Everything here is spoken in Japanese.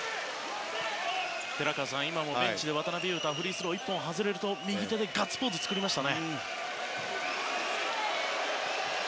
寺川さん、今もベンチで渡邊雄太はフリースロー１本外れると右手でガッツポーズ作りました。